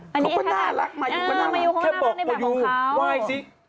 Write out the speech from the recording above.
เขาก็น่ารักมาอยู่เขาน่ารักแค่บอกเขาอยู่ว่ายสิ